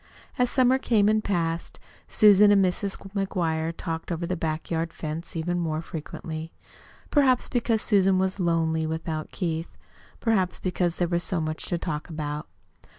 As the summer came and passed, Susan and Mrs. McGuire talked over the back yard fence even more frequently. Perhaps because Susan was lonely without Keith. Perhaps because there was so much to talk about.